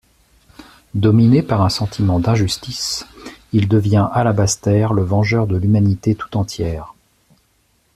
Dominé par un sentiment d'injustice, il devient Alabaster, le vengeur de l'humanité tout entière.